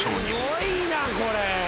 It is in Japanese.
すごいなこれ。